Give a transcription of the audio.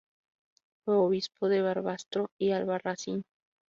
Fue obispo de Barbastro y Albarracín.